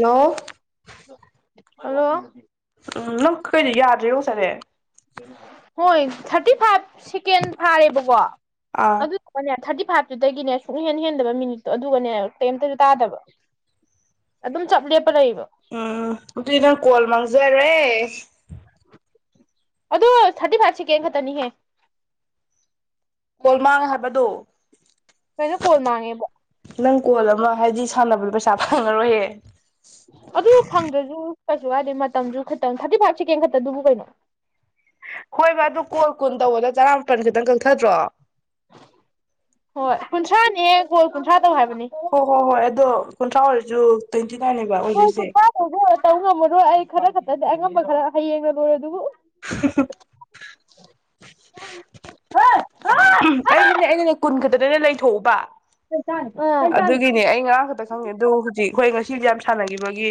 Hello hello ꯎꯝ ꯅꯪ ꯀꯩꯗꯤ ꯌꯥꯗ꯭ꯔꯦ ꯑꯣꯁꯔꯦ ꯍꯣꯏ ꯊꯥꯔꯇꯤ ꯐꯥꯏꯚ ꯁꯦꯀꯦꯟ ꯐꯥꯔꯦꯕꯀꯣ ꯑꯥ ꯑꯗꯨ ꯃ ꯊꯔꯇ [unintelligible] ꯐꯥꯏꯚꯇꯨꯗꯒꯤꯅꯦ ꯁꯨꯡꯛꯍꯦꯟ ꯍꯦꯟꯗꯕ ꯃꯤꯅꯤꯠꯇꯣ ꯑꯗꯨꯒꯅꯦ ꯀꯩꯝꯇꯁꯨ ꯇꯥꯗꯕ ꯑꯗꯨꯝ ꯆꯞ ꯂꯦꯞ ꯎꯝ ꯑꯗꯨꯗꯤ ꯅꯪ ꯀꯣꯜ ꯃꯥꯡ ꯖꯔꯦ ꯑꯗꯨꯗꯣ ꯊꯔꯇꯤ ꯐꯥꯏꯁꯤ ꯀ ꯌꯦ ꯈꯇꯅꯤꯍꯦ ꯀꯣꯜꯃꯥꯡꯉꯦ ꯍꯥꯏꯕꯗꯣ ꯀꯩꯅꯅꯣ ꯀꯣꯜ ꯃꯥꯥꯡꯉꯦꯕꯣ ꯅꯪ ꯀꯣꯜ ꯑꯃ ꯍꯥꯏꯗꯤ ꯁꯥꯟꯅꯕꯗꯣ ꯄꯩꯁꯥ ꯐꯪꯉꯔꯣꯏꯍꯦ ꯑꯗꯨ ꯐꯪꯗ꯭ꯔꯁꯨ ꯀꯩꯁꯨ ꯍꯥꯏꯗꯦ ꯃꯇꯝꯁꯨ ꯈꯈꯤꯇꯪ ꯊꯥꯔꯇꯤ ꯐꯥꯏꯚ ꯁꯦꯀꯦꯟ ꯈꯛꯇꯗꯨꯕꯨ ꯀꯩꯅꯣ ꯍꯣꯏ ꯑꯗꯨ ꯀꯣꯜ ꯀꯨꯟ ꯇꯧꯕꯗ ꯆꯔꯥꯃꯄꯜ ꯈꯤꯇꯪ ꯀꯛꯊꯗ꯭ꯔꯣ ꯍꯣꯏ ꯀꯨꯟꯊ꯭ꯔꯥꯅꯦꯍꯦ ꯀꯣꯜ ꯀꯨꯟꯊ꯭ꯔꯥ ꯍꯣ ꯍꯣ ꯍꯣꯏ ꯑꯗꯣ ꯀꯨꯟꯊ꯭ꯔꯥ ꯑꯣꯏꯔꯁꯨ ꯇ꯭ꯋꯦꯟꯇꯤ ꯅꯥꯏꯟꯅꯦꯕ ꯍꯣꯏꯁꯨ ꯑꯣꯏꯗꯣꯏꯁꯦ ꯇꯥꯏꯗ ꯇꯧ ꯉꯝꯃꯔꯣꯏ ꯑꯩ ꯈꯔ ꯈ ꯑꯗ ꯑꯉꯝꯕ ꯈꯔ ꯍꯌꯦꯡꯅ ꯂꯣꯏꯔꯦ ꯑꯗꯨꯕꯨ [inaudible] ꯍ ꯍ ꯍ ꯎꯝ ꯑꯩꯁꯨꯅꯦ ꯑꯩꯅꯅꯦ ꯀꯨꯟ ꯈꯛꯇꯗꯩꯅ ꯂꯩꯊꯣꯛꯎꯕ ꯇꯔꯥꯗ ꯈꯪꯉꯤꯔ ꯅꯣꯏ ꯑꯗꯨꯒꯤꯅꯦ ꯑꯩ ꯉꯥ ꯈꯛꯇ ꯈꯪꯉꯦ ꯑꯗꯨ ꯍꯧꯖꯤꯛ ꯑꯩꯈꯣꯏ ꯉꯁꯤ ꯐꯁꯦ ꯌꯥꯝ ꯁꯥꯟꯅꯈꯤꯕꯒꯤ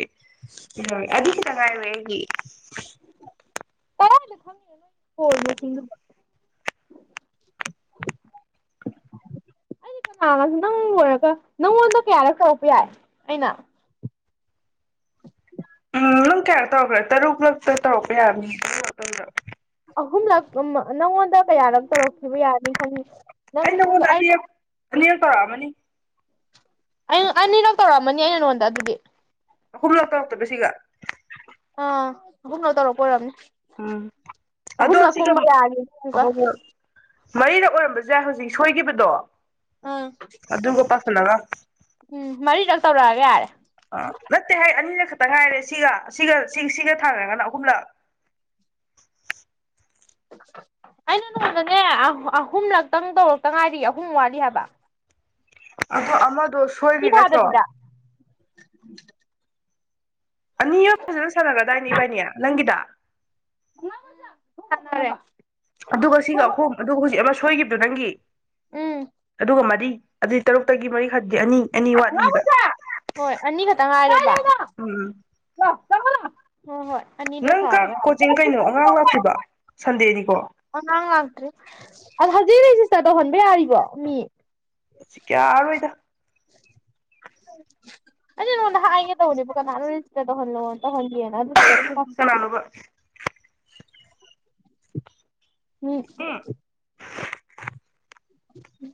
ꯀꯩꯅꯣ ꯑꯗꯨ ꯈꯤꯇ ꯉꯥꯏꯔꯦ ꯑꯩꯒꯤ ꯀꯥꯏꯗ ꯈꯪꯉꯤꯅ ꯅꯣꯏ ꯀꯣꯜ ꯃꯁꯤꯡꯗꯨ ꯑꯩꯗꯤ ꯀꯅꯥꯒ ꯅꯪ ꯂꯣꯏꯔꯒ ꯅꯪꯉꯣꯟꯗ ꯀꯌꯥꯔꯛ ꯇꯧꯔꯛꯄ ꯌꯥꯏ ꯑꯩꯅ ꯔꯨꯛ ꯂꯛꯇ ꯇꯧ ꯄꯦ ꯑꯍꯨꯝꯂꯛ ꯅꯪꯉꯣꯟꯗ ꯀꯌꯥꯔꯣꯛ ꯇꯧꯔꯛꯈꯤꯕ ꯌꯥꯅꯤ ꯈꯜꯂꯤ ꯑꯩꯅ ꯍꯣ ꯅꯗꯤ ꯅꯤꯔ ꯇꯔ ꯑꯃꯅꯤꯅꯤ ꯑꯩ ꯑꯅꯤꯔ ꯇꯧꯔꯛꯑꯃꯅꯤ ꯑꯩꯅ ꯅꯉꯣꯟꯗ ꯑꯗꯨꯗꯤ ꯍꯨꯔ ꯂꯥꯡ ꯎꯛꯇꯕ ꯁꯤꯒ ꯑꯥ ꯨꯝꯅꯧ ꯇꯧꯔꯣꯄꯔꯝꯅꯦ ꯎꯝ ꯑꯗꯣ ꯑꯍꯨꯝꯂꯛ ꯁꯤꯒ ꯀꯨꯝꯕ ꯌꯥꯒꯦ ꯑꯃꯀ ꯃꯔꯤꯗ ꯑꯣꯏꯔꯝꯕꯁꯏ ꯍꯧꯖꯤꯛ ꯁꯣꯏꯈꯤꯕꯗꯣ ꯑꯝ ꯑꯗꯨꯒ ꯄꯥꯁꯜꯂꯒ ꯎꯝ ꯃꯔꯤ ꯇꯧꯔꯛꯑꯒ ꯌꯥꯔꯦ ꯑ ꯃꯠꯇꯦ ꯍꯥꯏ ꯑꯅꯤꯜꯂꯦ ꯈ ꯇꯪꯈꯥꯏꯔꯦ ꯁꯤꯒ ꯁꯤꯒ ꯁꯤ ꯁꯤꯒ ꯊꯥꯈ꯭ꯔꯒꯅ ꯑꯍꯨꯝꯂꯛ ꯑꯩꯅ ꯅꯣꯡꯗꯅꯦ ꯑꯍꯨꯝꯂꯛꯇꯪ ꯇꯧꯔꯛꯇ ꯉꯥꯏꯔꯤ ꯑꯍꯨꯝ ꯋꯥꯠꯂꯤ ꯍꯥꯏꯕ ꯑꯗꯣ ꯑꯃꯗꯣ ꯁꯤ ꯁꯣꯏꯔꯤ ꯅꯠꯇ꯭ꯔꯣ ꯊꯥꯗꯕꯤꯗ ꯅꯤ ꯌ ꯐꯖꯅ ꯁꯥꯟꯅꯔ꯭ꯔꯥꯗꯥꯏꯅꯤ ꯏ ꯕꯥꯏꯅꯤ ꯅꯪꯒꯤꯗ ꯔꯦ ꯑꯗꯨꯒ ꯁꯤꯒ ꯑꯍꯨꯝ ꯑꯗꯨꯒ ꯍꯧꯖꯤꯛ ꯁꯣꯏꯈꯤꯕꯗꯨ ꯅꯪꯒꯤ ꯎꯝ ꯑꯗꯨꯒꯃꯗꯤ ꯑꯗꯨ ꯇꯔꯨꯛꯇꯒꯤ ꯃꯔꯤꯈ ꯑꯗꯨꯗꯤ ꯑꯅꯤ ꯑꯅꯤ ꯋꯥꯠꯂꯤꯕ ꯍꯣꯏ ꯑꯅꯤ ꯈꯛꯇ ꯎꯝ ꯆꯣꯂ ꯍ ꯍꯣꯏ ꯑꯅꯤꯗꯣ ꯅꯪ ꯀ ꯁꯥꯔꯒ ꯀꯣꯆꯤꯡ ꯀꯩꯅꯣ ꯑꯉꯥꯡ ꯂꯥꯛꯄꯤꯕ ꯁꯟꯗꯦꯗꯤ ꯑꯣꯪ ꯂꯥꯛꯇ꯭ꯔꯤ ꯑꯗꯣ ꯍꯧꯖꯤꯛ ꯖꯤꯁꯇꯔ ꯇꯧꯍꯟꯕ ꯌꯥꯔꯤꯕꯣ ꯃꯤ ꯀꯌꯥꯔ ꯑꯣꯏꯗ ꯑ ꯅꯣꯟꯅ ꯍꯥꯏꯑꯒꯦ ꯇꯧꯅꯦꯕ ꯀꯥꯟꯅ ꯇꯍꯂ ꯇꯍꯟꯒ ꯨꯡ ꯀꯒꯣ ꯎꯝ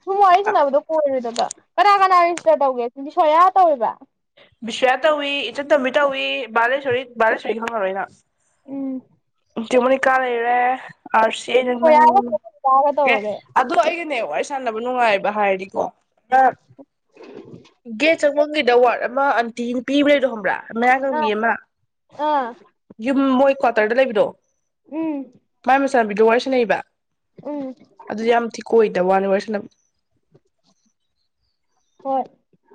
ꯁꯨꯝ ꯋꯥꯔꯤ ꯁꯥꯟꯅꯕꯗꯣ ꯀꯣꯏꯔꯣꯏꯗꯕ ꯀꯅꯥ ꯀꯅꯥ ꯏꯁꯇꯔ ꯇꯧꯒꯦ ꯁꯤꯗꯤ ꯁꯣꯏꯌꯥ ꯇꯧꯋꯦꯕ ꯕꯤꯁ꯭ꯌꯥ ꯇꯧꯏ ꯏꯆꯟ ꯇꯝꯕꯤ ꯇꯧꯏꯤ ꯕꯥꯔꯂꯦꯁꯔꯤ ꯕꯥꯂꯦꯁꯣꯔꯤ ꯈꯪꯉꯔꯣꯏꯅ ꯎꯝ ꯏꯆ ꯃꯅꯤ ꯀꯥꯔꯦꯔꯦ ꯑꯔ ꯁꯤ ꯅꯪ ꯁꯣꯌꯥꯒ ꯁꯣꯅꯤꯀꯥꯒ ꯇꯧꯔꯦ ꯑꯗꯨ ꯑꯩ ꯋꯥꯔꯤ ꯁꯥꯟꯅꯕ ꯅꯨꯡꯉꯥꯏꯕ ꯍꯥꯏꯔꯗꯤꯀꯣ ꯒꯦꯠ ꯆꯪꯕꯝꯒꯤꯗ ꯋꯥꯔꯗ ꯑꯃ ꯑꯟꯇꯤ ꯄꯤꯕ꯭ꯔ ꯂꯩꯗꯣ ꯍꯕ꯭ꯔꯥ ꯑꯥ ꯃꯒꯌꯦꯃ ꯑꯥ ꯌꯨꯝ ꯃꯣꯏ ꯀ ꯇꯔꯗ ꯂꯩꯕꯤꯔꯣ ꯎꯝ ꯑꯥꯕꯤꯗꯣꯡꯔ ꯁꯤꯅꯦꯩꯕ ꯎꯝ ꯧꯟꯚꯁꯟ ꯍ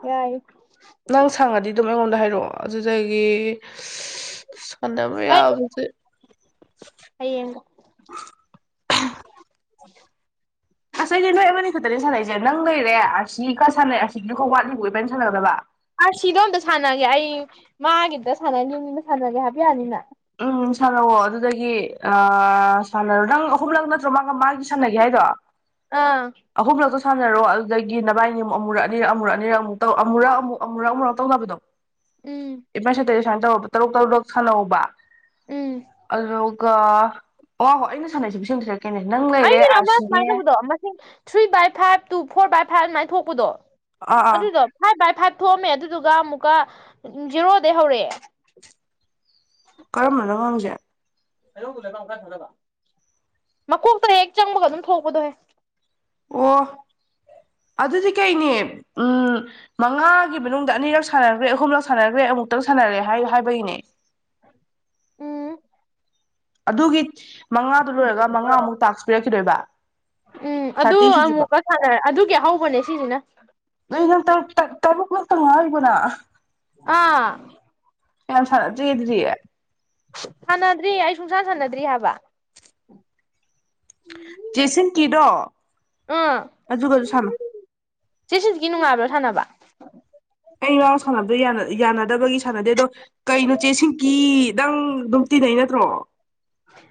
ꯌꯥꯏ ꯔꯣ ꯑꯗꯨꯗꯒꯤ ꯗ ꯃ ꯑꯩ ꯌꯥꯕꯁ ꯍꯌꯦꯡ [inaudible] ꯑꯁꯁꯦ ꯅꯣꯏ ꯑꯃꯅꯤꯅꯤ ꯈꯛꯇꯅꯦ ꯁꯥꯟꯅꯏꯁꯦ ꯅꯪ ꯂꯩꯔꯦ ꯑꯁꯤ ꯈ ꯁꯥꯟꯅꯩ ꯑꯁꯤꯁꯨ ꯈꯛ ꯋꯥꯠꯂꯤꯕ ꯑꯣꯏꯕꯅ ꯁꯥꯟꯅꯒꯗꯕ ꯑꯥ ꯁꯤꯗꯣ ꯑꯝꯇ ꯁꯥꯟꯅꯒꯦ ꯑꯩ ꯃꯥꯒꯤꯗ ꯁꯥꯟꯅꯅꯤ ꯌꯨꯝꯅꯤꯅ ꯁꯥꯟꯅꯒꯦ ꯍꯥꯏꯕ ꯌꯥꯅꯤꯅ ꯎꯝ ꯁꯥꯟꯅꯑꯣ ꯑꯗꯨꯗꯒꯤ ꯑ ꯁꯥꯟꯅꯔꯣ ꯅꯪ ꯑꯍꯨꯝꯂꯛ ꯅꯠꯇ꯭ꯔꯣ ꯃꯥꯒ ꯃꯥꯒꯤ ꯁꯥꯟꯅꯒꯦ ꯍꯥꯏꯗꯣ ꯑꯥ ꯑꯍꯨꯝꯂꯛꯇꯣ ꯁꯥꯟꯅꯔꯣ ꯑꯗꯨꯗꯒꯤ ꯅꯚꯕꯥꯏꯅꯤ ꯑꯃꯨꯛ ꯑꯃꯨꯔꯛ ꯑꯅꯤꯔ ꯑꯃꯨꯔꯛ ꯑꯅꯤꯔꯒ ꯑꯃꯨꯛ ꯇꯧ ꯑꯃꯨꯔꯛ ꯑꯃꯨꯛ ꯑꯃꯨꯔꯛ ꯑꯃꯨꯔꯛ ꯇꯧꯅꯕꯗꯣ ꯎꯝ ꯏ ꯄꯁꯗ ꯁꯨꯃꯥꯏꯅ ꯇꯧꯔꯕ ꯇꯔꯨꯛ ꯇꯔꯨꯛ ꯁꯥꯟꯅꯍꯎꯧꯕ ꯎꯝ ꯑꯜꯣ ꯑꯣꯍꯣ ꯑꯩꯅ ꯁꯥꯟꯅꯩꯁꯦ ꯄꯁꯤꯟ꯭ꯔꯦ ꯑꯩꯒꯤꯅ ꯑꯃ ꯁꯨꯃꯥꯏꯅ ꯇꯧꯕꯗꯣ ꯃꯁꯤꯡ three by five two four five ꯐꯥ ꯑꯗꯨꯃꯥꯏꯅ ꯊꯣꯛꯄꯗꯣ ꯑꯥ ꯑꯥ ꯑꯗꯨꯗꯣ ꯐꯥꯏꯚ ꯕꯥꯏ ꯐꯥꯏꯚ ꯊꯣꯛꯑꯝꯃꯦ ꯑꯗꯨꯗꯣ ꯑꯃꯨꯛꯀ ꯖꯦꯔꯣꯗ ꯍꯧꯔꯛꯑꯦ ꯀꯔꯝꯕꯅꯅ ꯋꯥꯡꯁꯦ ꯃꯀꯣꯛꯇ ꯍꯦꯛ ꯆꯪꯕꯒ ꯑꯗꯨꯝ ꯊꯣꯛꯄꯗꯣꯍꯦ ꯑꯣ ꯑꯗꯨꯗꯤ ꯀꯩꯅꯦ ꯎꯝ ꯃꯉꯥꯒꯤ ꯃꯅꯨꯡꯗ ꯑꯅꯤꯔꯛ ꯁꯥꯟꯅꯈ꯭ꯔꯦ ꯑꯍꯨꯝꯂꯛ ꯁꯥꯟꯅꯈ꯭ꯔꯦ ꯑꯃꯨꯛꯇꯪ ꯁꯥꯟꯅꯔꯦ ꯍꯥꯏꯣ ꯍꯥꯏꯕꯒꯤꯅꯦ ꯎꯝ ꯑꯗꯨꯒꯤ ꯃꯉꯥꯗꯨ ꯂꯣꯏꯔꯒ ꯃꯉꯥꯃꯨꯛ ꯇꯥꯛꯁ ꯄꯤꯔꯛꯈꯤꯗꯣꯏꯕ ꯎꯝ ꯑꯗꯨ ꯊꯥꯔꯇꯤ ꯁꯨꯗ꯭ꯔꯤꯕ ꯑꯃꯨꯛꯀ ꯁꯅꯔ ꯑꯗꯨꯒꯤ ꯑꯍꯧꯕꯅꯦ ꯁꯤꯁꯤꯅ ꯇꯕꯨ ꯀꯁ ꯅꯉꯕꯨꯅ ꯑꯥ ꯌꯥꯝ ꯁꯗꯤꯗꯌꯦꯦ ꯁꯥꯟꯅꯗ꯭ꯔꯤ ꯑꯩ ꯁꯨꯡꯁꯥ ꯁꯥꯟꯅꯗ꯭ꯔꯤ ꯍꯥꯏꯕ ꯦꯁꯟ ꯀꯗꯣ ꯑꯗꯨ ꯑꯗꯨ ꯁꯥꯟꯅꯨ ꯁꯤꯁꯤꯒꯤ ꯅꯨꯡꯉꯥꯏꯕ꯭ꯔꯣ ꯊꯥꯅꯕ ꯑꯩ ꯏ ꯉꯎ ꯁꯥꯟꯅꯕꯗꯣ ꯌꯥꯅꯗꯕꯒꯤ ꯁꯥꯟꯅꯗꯦ ꯑꯗꯣ ꯀꯩ ꯅꯨꯣꯆꯦꯁꯤꯡ ꯀꯗꯪ ꯑꯗꯨꯝ ꯇꯤꯟꯅꯩ ꯅꯠꯇ꯭ꯔꯣ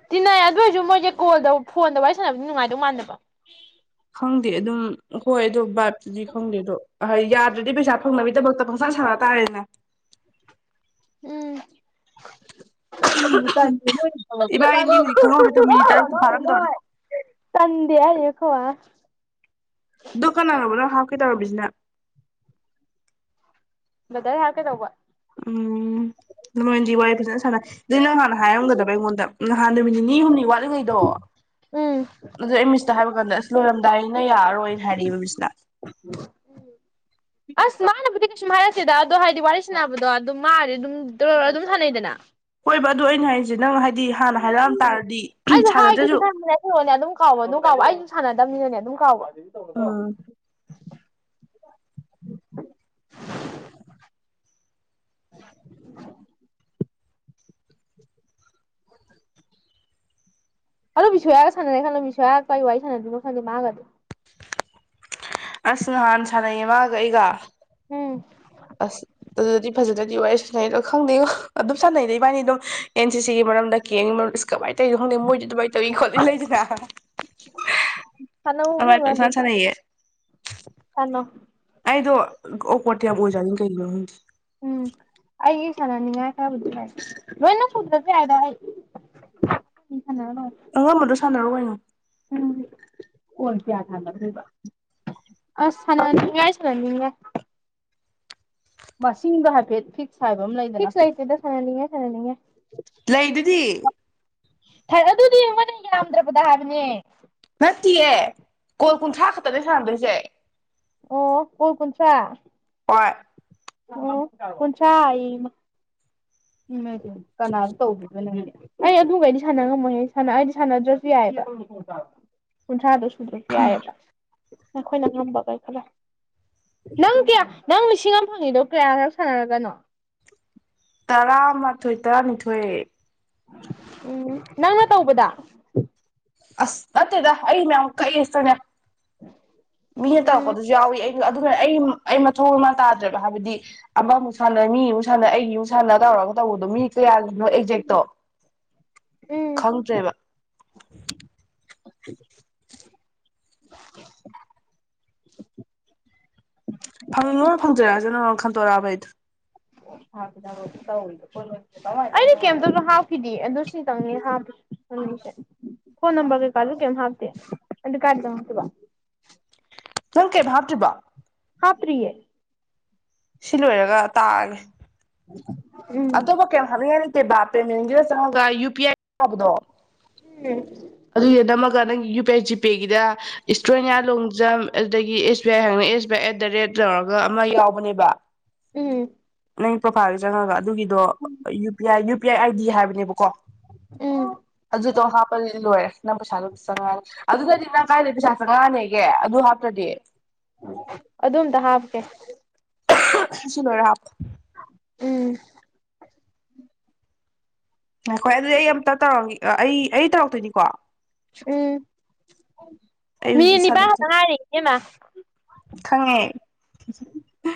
ꯇꯤꯟꯅꯏ ꯑꯗꯨ ꯑꯣꯏꯔꯁꯨ ꯃꯣꯏꯁꯦ ꯀꯣꯜꯗ ꯐꯣꯟꯗ ꯋꯥꯔꯤ ꯁꯥꯟꯅꯕꯗꯤ ꯅꯨꯡꯉꯥꯏꯗꯧ ꯃꯥꯟꯅꯕ ꯈꯪꯗꯦ ꯑꯗꯨꯝ ꯍꯣꯏ ꯑꯗꯨꯣ ꯕꯥꯠ ꯗꯤ ꯈꯪꯗꯦꯗꯣ ꯌꯥ ꯑꯗꯨꯗꯤ ꯄꯩꯁꯥ ꯐꯪꯅꯕꯒꯤꯗꯃꯛꯇ ꯄꯪꯁꯥꯟ ꯁꯥꯟꯅ ꯇꯥꯔꯦꯅ ꯎꯝ [unintelligible] ꯏꯕꯥꯏꯅꯤꯗꯤ ꯍꯧꯖꯤꯛ ꯈꯪꯍꯧꯗ꯭ꯔꯦ ꯃꯤꯅꯤꯠ ꯇꯔꯨꯛꯇꯨ ꯐꯥꯔꯝꯗꯧꯔꯦ ꯇꯟꯗꯦ ꯍꯥꯏꯔꯤꯅꯤ ꯑꯩꯈꯣꯢ ꯃꯥꯅ ꯗꯨ ꯀꯥꯅꯅꯣꯕ ꯅꯪ ꯍꯥꯞꯀꯦ ꯇꯧꯔꯝꯃꯤꯁꯤꯅ ꯕꯥꯗꯔ ꯍꯥꯥꯞꯀꯦ ꯇꯧꯕ ꯎꯝ ꯑꯗꯨꯃꯣꯏꯅꯗꯤ ꯋꯥꯔꯤ ꯐꯖꯅ ꯁꯥꯟꯅ ꯑꯗꯨꯗꯤ ꯅꯪ ꯍꯥꯟꯅ ꯍꯥꯏꯔꯝꯒꯗꯕ ꯑꯩꯉꯣꯟꯗ ꯅꯍꯥꯟ ꯅꯨꯃꯤꯠ ꯅꯤꯅꯤ ꯍꯨꯝꯅꯤ ꯋꯥꯠꯂꯤ ꯂꯤ ꯉꯩꯗꯣ ꯎꯝ ꯑꯗ ꯑꯩ ꯃꯦꯁꯦꯖ ꯇ ꯍꯥꯏꯕ ꯀꯥꯟꯗ ꯑꯁ ꯂꯣꯏꯔꯝꯗꯥꯏꯅꯤꯅ ꯌꯥꯔꯔꯣꯏꯅ ꯍꯥꯏꯔꯛꯑꯦꯕ ꯃꯤꯁꯅ ꯑꯁ ꯃꯥꯅꯕꯨꯗꯤ ꯀꯩꯁꯨꯝ ꯍꯥꯏꯔꯛꯇꯦꯗ ꯑꯗꯣ ꯍꯥꯏꯗꯤ ꯋꯥꯔꯤ ꯁꯥꯟꯅꯕꯗꯣ ꯑꯗꯨꯝ ꯃꯥꯗꯤ ꯑꯗꯨꯝ ꯑꯗꯨꯝ ꯁꯥꯟꯅꯩꯗꯅ ꯍꯣꯢꯕ ꯑꯩꯅ ꯍꯥꯢꯁꯦ ꯅꯪꯅ ꯍꯥꯢꯗꯤ ꯎꯝ ꯑꯩꯗꯤ ꯍꯥꯏꯒꯦꯗꯤ ꯈꯟꯕꯅꯦ ꯀꯣꯟꯅ ꯑꯗꯨꯝ ꯀꯥꯎꯕ ꯑꯗꯨꯝ ꯀꯥꯎꯕ ꯑꯩ ꯁꯥꯟꯅꯗꯕꯅꯤꯅꯅꯦ ꯑꯗꯨꯝ ꯀꯥꯎꯕ ꯑꯥ [inaudible] [inaudible] ꯑꯗꯣ ꯕꯤꯁꯣꯌꯥꯒ ꯁꯥꯟꯅꯔꯦ ꯈꯜꯂꯣ ꯕꯤꯁꯣꯌꯥꯒ ꯀꯩ ꯋꯥꯔꯤ ꯁꯥꯟꯅꯗꯣꯢꯅꯣ ꯈꯪꯗꯦ ꯃꯥꯒꯗꯤ ꯑꯁ ꯅꯍꯥꯟ ꯁꯥꯟꯅꯩꯌꯦ ꯃꯥꯒ ꯑꯩꯒ ꯎꯝ ꯑꯁ ꯑꯗꯨꯗꯤ ꯐꯖꯅꯗꯤ ꯋꯥꯔꯤ ꯁꯥꯟꯅꯩ ꯈꯪꯗꯦꯀ ꯑꯗꯨꯝ ꯁꯥꯟꯅꯩꯗ ꯏꯕꯥꯅꯤ ꯑꯗꯨꯝ ꯑꯦꯟ ꯁꯤ ꯁꯤꯒꯤ ꯃꯔꯝꯗ ꯀꯦꯒꯤ ꯃꯔ ꯏꯁ ꯀꯃꯥꯏ ꯀꯩꯅꯣ ꯈꯪꯗꯦ ꯃꯣꯏꯗꯤ ꯑꯗꯨꯃꯥꯏ ꯇꯧꯋꯤ ꯈꯣꯠꯂꯤ ꯂꯩꯗꯅ ꯁꯥꯟꯅꯧ ꯑꯗꯨꯃꯥꯏ ꯏꯕꯦꯝꯃ ꯑꯗꯨꯝ ꯄꯪꯁꯥꯟ ꯁꯥꯟꯅꯩꯌꯦ ꯁꯥꯟꯅꯧ ꯑꯩꯗꯣ ꯑꯣꯛꯋꯥꯔꯇ ꯌꯥꯝ ꯑꯣꯢꯖꯥꯠꯅꯤ ꯀꯩꯒꯤꯅꯣ ꯈꯪꯗꯦ ꯁꯥꯟꯅꯅꯤꯡꯉꯥꯢ ꯈꯔ ꯕꯨꯗꯤ ꯂꯩ ꯂꯣꯢꯅ ꯁꯨꯗ꯭ꯔꯁꯨ ꯌꯥꯢꯗ [unintelligible] ꯑꯉꯝꯕꯗꯣ ꯁꯥꯟꯅꯔꯣ ꯀꯩꯅꯣ ꯑꯝ ꯀꯣꯟ ꯀꯌꯥ ꯁꯥꯟꯅꯗꯣꯢꯕ ꯑꯁ ꯁꯥꯟꯅꯅꯤꯉꯥꯢ ꯁꯥꯟꯅꯅꯤꯡꯉꯥꯢ ꯃꯁꯤꯡꯗꯣ ꯍꯥꯏꯐꯦꯠ ꯐꯤꯛꯁ ꯍꯥꯏꯕ ꯑꯃ ꯂꯩꯗꯅ ꯐꯤꯛꯁ ꯂꯩꯇꯦꯗ ꯁꯥꯟꯅꯅꯤꯡꯉꯥꯏ ꯁꯥꯟꯅꯅꯤꯡꯉꯦ ꯂꯩꯗꯨꯗꯤ ꯑꯗꯨꯗꯤ ꯃꯣꯢꯅ ꯌꯥꯝꯝꯗ꯭ꯔꯕꯗ ꯍꯥꯏꯕꯅꯦ ꯅꯠꯇꯤꯌꯦ ꯀꯣꯜ ꯀꯨꯟꯊ꯭ꯔꯥ ꯈꯛꯇꯅꯦ ꯁꯥꯥꯟꯅꯗꯣꯏꯁꯦ ꯑꯣ ꯀꯣꯜ ꯀꯨꯟꯊꯔꯥ ꯍꯣꯏ ꯑꯣ ꯀꯨꯟꯊ꯭ꯔꯥ ꯑꯌꯦ ꯀꯥꯅꯗ ꯇꯧꯗꯣꯢꯕ ꯅꯪꯗꯤ ꯑꯩ ꯑꯗꯨꯒꯩꯗꯤ ꯁꯥꯟꯅ ꯉꯝꯃꯣꯍꯦ ꯁꯥꯟꯅ ꯑꯩꯗꯤ ꯁꯥꯟꯅꯗ꯭ꯔꯁꯨ ꯌꯥꯏꯕ ꯀꯨꯟꯊ꯭ꯔꯥꯗꯨꯁꯨ ꯁꯨꯗꯔꯁꯨ ꯌꯥꯢꯌꯦꯕ ꯅꯈꯣꯏꯅ ꯉꯝꯕꯒꯩ ꯈꯔ ꯅꯪ ꯀꯌꯥ ꯅꯪ ꯂꯤꯁꯤꯡ ꯑꯃ ꯐꯪꯉꯤꯗꯣ ꯀꯌꯥꯔꯛ ꯁꯥꯟꯅꯔꯒꯅꯣ ꯇꯔꯥꯃꯥꯊꯣꯏ ꯇꯔꯥꯅꯤꯊꯣꯏ ꯎꯝ ꯅꯪꯅ ꯇꯧꯕꯗ ꯑꯁ ꯅꯠꯇꯦꯗ ꯑꯩ ꯃꯌꯥꯝ ꯀꯛꯑꯦ [unintelligible] ꯃꯤ ꯍꯦ ꯎꯝ ꯇꯧꯔꯛꯄꯗꯁꯨ ꯌꯥꯎꯏꯤ ꯑꯩ ꯑꯗꯨꯅ ꯑꯩ ꯑꯩ ꯃꯊꯧ ꯑꯃ ꯇꯥꯗ꯭ꯔꯦꯕ ꯍꯥꯏꯕꯗꯤ ꯑꯃꯃꯨꯛ ꯁꯥꯟꯅ ꯃꯤ ꯑꯃꯨꯛ ꯁꯥꯟꯅ ꯑꯩꯒꯤ ꯑꯃꯨꯛ ꯁꯥꯟꯅ ꯇꯧꯔꯒ ꯇꯧꯕꯗꯣ ꯃꯤ ꯀꯌꯥꯒꯤꯅꯣ ꯑꯦꯛꯖꯦꯛꯇꯣ ꯎꯝ ꯈꯪꯗ꯭ꯔꯦꯕ [unintelligible] ꯑꯟ ꯇꯔꯥꯕꯩꯗ ꯑꯩꯅ ꯀꯩꯇꯁꯨ ꯍꯥꯞꯈꯤꯗꯦ ꯑꯗꯨ ꯁꯤꯅꯤꯇꯪꯅꯤꯪꯁꯦ ꯐꯣꯟ ꯅꯝꯕꯔ ꯀꯩꯀꯥꯁꯨ ꯀꯩꯝ ꯍꯥꯞꯇꯦ ꯑꯗꯨ ꯀꯪ ꯍꯥꯈꯤꯕ ꯅꯪ ꯀꯩꯝ ꯍꯥꯞꯇ꯭ꯔꯤꯕꯣ ꯍꯥꯥ ꯄꯔꯤꯌꯦ ꯁꯤ ꯂꯣꯏꯔꯒ ꯇꯥꯑꯒꯦ ꯎꯝ ꯑꯇꯣꯞ ꯀꯦꯝ ꯍꯪꯉ ꯑꯅꯤꯗꯦꯕꯥ ꯄꯦꯃꯦꯟꯗꯨꯗ ꯆꯪꯉꯒ ꯌꯨ ꯄꯤ ꯑꯥꯏ ꯇꯕꯗꯣ ꯎꯝ ꯅꯪꯒꯤ ꯌꯨ ꯄꯤ ꯑꯥꯏ ꯖꯤꯄꯦꯒꯤꯗ ꯏꯁꯇ꯭ꯔꯣꯅꯤꯌꯥ ꯂꯣꯡꯖꯝ ꯑꯗꯨꯗꯒꯤ S B I S B I at the rate ꯂꯧꯔꯒ ꯑꯃ ꯌꯥꯎꯕꯅꯦꯕ ꯎꯝ ꯅ ꯄꯄꯥꯥꯒ ꯆꯪꯉꯒꯥꯒ ꯑꯗꯨ ꯣ U P I P I I D ꯍꯥꯏꯕꯅꯦꯕꯀꯣ ꯎꯝ ꯑꯗꯨꯇꯣ ꯍꯥꯞꯄꯅꯤ ꯂꯣꯏꯔꯦ ꯅꯪ ꯄꯩꯁꯥꯗꯨꯝ ꯆꯪꯉꯛꯅꯤꯦ ꯑꯗꯨꯗꯗꯤ ꯅꯪ ꯀꯥꯏꯗ ꯄꯩꯁꯥ ꯆꯪꯉꯛꯑꯅꯤꯒꯦ ꯑꯗꯨ ꯍꯥꯞꯇ꯭ꯔꯗꯤ ꯑꯗꯨ ꯑꯝꯇ ꯍꯥꯞꯀꯦ ꯁꯤ ꯂꯣꯢꯔ ꯍꯥꯞꯄꯣ꯫ ꯎꯝ꯫ ꯉꯥꯢꯈꯣ ꯑꯩ ꯑꯝꯇ ꯇꯧꯔꯝꯒꯤ ꯑ ꯑꯩ ꯑꯩ ꯇꯧꯔꯛꯇꯣꯏꯅꯤꯀꯣ? ꯎꯝ, ꯍꯧꯖꯤꯛ ꯃꯤꯅꯤꯠ ꯏꯁꯥꯗ ꯅꯤꯄꯥꯟꯈꯇ ꯉꯥꯢꯔꯦ ꯢꯕꯦꯝꯃ꯫ ꯈꯪꯉꯦ꯫ [inaudible]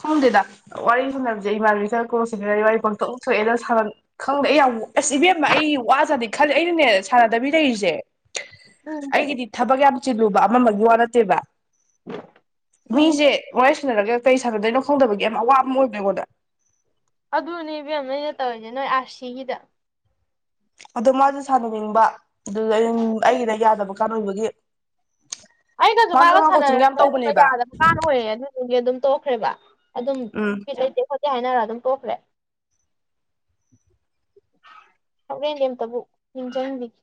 ꯁꯨꯝꯗꯦꯗ ꯋꯥꯔꯤ ꯁꯝꯅꯕꯖꯦ ꯏꯃꯥꯟꯅꯕꯤ ꯈꯔ ꯀ꯭ꯂꯣꯁ ꯑꯣꯢꯔꯗꯤ ꯋꯥꯔꯤ ꯄꯪꯇꯣꯛ ꯊꯣꯛꯑꯦꯅ ꯁꯥꯟ ꯈꯪꯗꯦ ꯑꯩ ꯌꯥꯝ ꯑꯁ ꯏꯕꯦꯝꯕ ꯑꯩ ꯋꯥꯖꯥꯅꯤ ꯈꯜꯂꯦ ꯑꯩꯅꯅꯦ ꯁꯥꯟꯅꯗꯕꯤ ꯂꯩꯔꯤꯖꯦ ꯎꯝ ꯑꯩꯒꯤꯗꯤ ꯊꯕꯛ ꯌꯥꯝ ꯆꯤꯜꯂꯨꯕ ꯑꯃ ꯑꯃꯒꯤ ꯋꯥ ꯅꯠꯇꯦꯕ ꯎꯝ ꯃꯤꯖꯦ [unintelligible] ꯁꯅꯗꯩ ꯈꯥꯪꯗꯕꯒꯤ ꯌꯥꯝ ꯑꯋꯥꯕ ꯑꯃ ꯑꯣꯏꯕ ꯑꯩꯉꯣꯟꯗ ꯑꯗꯨꯅꯦ ꯏꯕꯦꯝ ꯃ ꯑꯩꯅ ꯇꯧꯔꯤꯁꯦ ꯅꯣꯏ ꯑꯥꯔꯁꯤꯒꯤꯗ ꯑꯗꯣ ꯃꯥꯁꯨꯦ ꯁꯥꯟꯅꯅꯤꯡꯕ ꯑꯗꯨꯗ ꯑꯩ ꯑꯩꯒꯤꯅ ꯌꯥꯗꯕ ꯀꯥꯥꯟ ꯑꯣꯏꯕꯒꯤ ꯑꯩꯅꯁꯨ ꯃꯥꯁꯨ ꯃꯥꯒ ꯑꯉꯥꯡ ꯀꯣꯆꯤꯡ ꯌꯥꯝ ꯁꯥꯟꯅꯔꯁꯦ ꯑꯗꯨꯒ ꯇꯧꯕꯅꯦꯕ ꯌꯥꯗꯕ ꯀꯥꯟꯅ ꯑꯣꯏꯔꯦ ꯑꯗꯨꯗꯨꯗꯤ ꯑꯗꯨꯝ ꯇꯣꯛꯈ꯭ꯔꯦꯕ ꯑꯗꯨꯝ ꯎꯝ ꯂꯩꯇ ꯍꯥꯏꯅꯔ ꯑꯗꯨꯝ ꯇꯣꯛꯈ꯭ꯔꯦ ꯍꯣꯔꯦꯟꯗꯤ ꯑꯃꯇꯕꯨ ꯅꯤꯡꯁꯤꯡꯕꯤꯒꯦ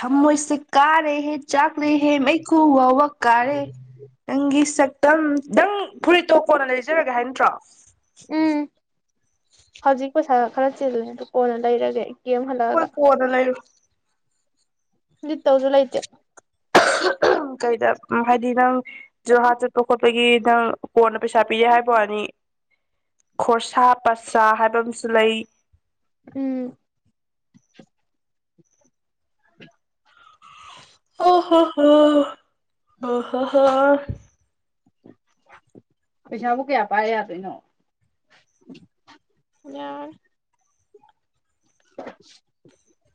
ꯊꯝꯃꯣꯏꯁꯦ ꯀꯥꯔꯦ ꯍꯦ ꯆꯥꯛꯂꯦꯍꯦ ꯃꯩꯈꯨ ꯋꯥꯋꯥ ꯀꯥꯔꯦ ꯅꯪꯒꯤ ꯁꯛ ꯪ ꯅꯪ ꯐꯨꯔꯤꯠꯇꯣ ꯀꯣꯟꯅ ꯂꯩꯖꯔꯒꯦ ꯍꯥꯏ ꯅꯠꯇ꯭ꯔꯣ ꯎꯝ ꯍꯧꯖꯤꯛ ꯄꯩꯁꯥ ꯈꯔ ꯆꯤꯜꯂꯦ ꯑꯗꯨ ꯀꯣꯟꯅ ꯂꯩꯔꯒꯦ ꯑꯩ ꯍꯣꯏ ꯀꯣꯟꯅ ꯂꯩꯔꯣ ꯂꯤꯠꯇꯧꯁꯨ ꯂꯩꯇꯦ ꯀꯩꯗ ꯍꯥꯏꯗꯤ ꯅꯪ ꯖꯨꯔꯍꯥꯠ ꯆꯠꯄ ꯈꯣꯠꯄꯒꯤ ꯅꯪ ꯀꯣꯟꯅ ꯄꯩꯁꯥ ꯄꯤꯔꯦ ꯍꯥꯏꯕ ꯋꯥꯅꯤ ꯈꯣꯔꯁꯥ ꯄꯥꯁꯥ ꯍꯥꯏꯕ ꯑꯃꯁꯨ ꯂꯩ ꯎꯝ ꯎ [unintelligible] [unintelligible] ꯄꯩꯁꯥꯕꯨ ꯀꯌꯥ ꯄꯥꯏ ꯌꯥꯗꯣꯏꯅꯣ [inaudible]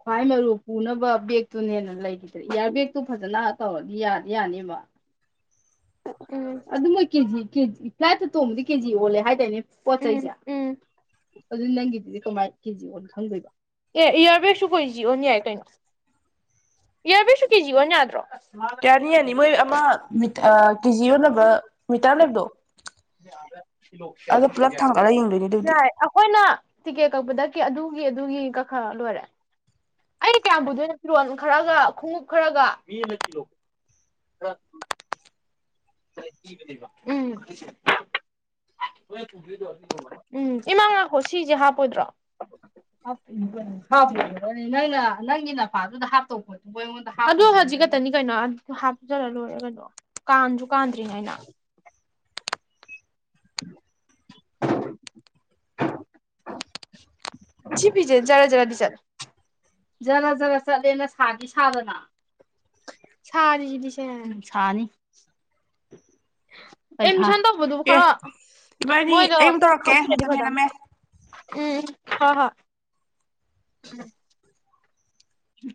ꯈ꯭ꯋꯥꯏ ꯃꯔꯨ ꯄꯨꯅꯕ ꯕꯦꯛꯇꯨꯅ ꯍꯦꯟꯅ ꯂꯩꯈꯤꯗ꯭ꯔꯦ ꯏꯌꯥꯔ ꯕꯦꯒꯇꯨ ꯐꯖꯅ ꯇꯧꯔꯗꯤ ꯌꯥꯗꯤ ꯌꯥꯅꯦꯕ ꯎ ꯑꯗꯨ ꯃꯣꯏ ꯀꯦꯖꯤꯖꯤ ꯐ꯭ꯂꯥꯏꯠꯇ ꯇꯣꯡꯕꯗꯤ ꯀꯦꯖꯤ ꯑꯣꯜꯂꯦ ꯍꯥꯏ ꯇꯅꯦ ꯄꯣꯠ ꯆꯩꯁꯦ ꯎꯝ ꯑꯗꯨ ꯅꯪꯒꯤꯗꯨꯗꯤ ꯀꯃꯥꯏꯅ ꯀꯦꯖꯤ ꯑꯣꯜꯂꯤ ꯈꯪꯗꯣꯏꯕꯣ ꯑꯦ ꯏꯌꯥꯔ ꯕꯦꯁꯨ ꯀꯦꯖꯤ ꯑꯣꯟ ꯌꯥꯏ ꯀꯩꯅꯣ ꯏꯌꯥꯔꯚꯦꯒꯁꯨ ꯀꯦꯖꯤ ꯑꯣꯟ ꯌꯥꯗ꯭ꯔꯣ ꯌꯥꯅꯤ ꯌꯥꯅꯤ ꯃꯣꯏ ꯑꯃ ꯃꯤ ꯀꯦꯖꯤ ꯑꯣꯟꯅꯕ ꯃꯤꯇꯔ ꯂꯩꯕꯗꯣ ꯑꯗꯣ ꯄꯨꯂꯞ ꯊꯥꯡꯒꯠꯂꯒ ꯌꯦꯡꯗꯣꯏꯅꯦ ꯑꯗꯨꯗꯤ ꯌꯥꯏ ꯑꯩꯈꯣꯏꯅ ꯇꯤꯀꯦꯠ ꯀꯛꯄꯗ ꯑꯗꯨꯒꯤ ꯑꯗꯨꯒꯤ ꯀ ꯈꯔ ꯂꯣꯏꯔꯦ ꯑꯩꯗꯤ ꯀꯌꯥꯝ ꯄꯨꯗꯣꯏꯅꯣ ꯐꯤꯔꯣꯟ ꯈꯔꯒ ꯈꯣꯡꯎꯞ ꯈꯔꯒ ꯍ ꯎꯝ ꯎꯝ ꯏꯃꯥꯅꯥꯛꯈꯣ ꯁꯤꯁꯦ ꯍꯥꯞꯄꯣꯏꯗ꯭ꯔꯣꯪꯒꯤ ꯑꯗꯨ ꯍꯧꯖꯤꯛ ꯈꯛꯇꯅꯤ ꯀꯩꯅꯣ ꯍꯥꯞꯆꯔ ꯂꯣꯏꯔꯦ ꯀꯩꯅꯣ ꯀ ꯀꯥꯟꯗ꯭ꯔꯤꯉ ꯍꯥꯏꯅ ꯁꯤ ꯄꯤꯤꯁꯦ ꯖꯔ ꯖꯔꯗꯤ ꯆꯠꯂꯦ ꯖꯔ ꯖꯔ ꯆꯠꯂꯦꯅ ꯁꯥꯗꯤ ꯁꯥꯗꯅ ꯁꯥꯔꯤꯁꯤꯗꯤ ꯁꯦ ꯅꯨꯡꯁꯥꯅꯤ [inaudible] ꯑꯦ ꯏꯕꯥꯅꯤ ꯃꯣꯏꯗꯣ ꯑꯩ ꯑꯃꯨꯛ ꯇꯧꯔꯛꯀꯦ ꯈꯪꯕꯤꯔꯗꯤ ꯃꯇꯝ ꯐꯗꯝ ꯍꯦꯜꯂꯝꯃꯦ ꯎꯝ ꯍ ꯍ ꯎꯝ